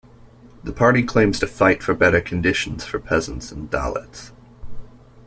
The party claims to fight for better conditions for peasants and dalits.